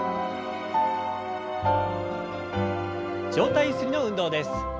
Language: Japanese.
上体ゆすりの運動です。